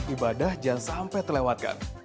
ibadah jangan sampai terlewatkan